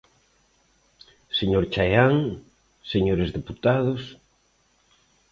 Señor Chaián, señores deputados.